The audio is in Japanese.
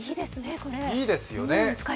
いいですよね。